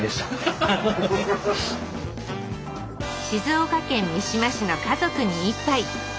静岡県三島市の「家族に一杯」。